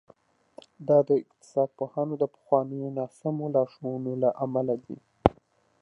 دا د اقتصاد پوهانو د پخوانیو ناسمو لارښوونو له امله دي.